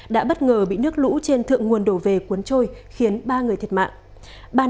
đã bất ngờ bị nước lũ trên thượng nguồn đổ về cuốn trôi khiến ba người thiệt mạng